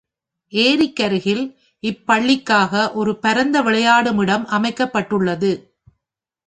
ஏரிக்கருகில், இப்பள்ளிக்காக ஒரு பரந்த விளையாடுமிடம் அமைக்கப்பட்டுள்ளது.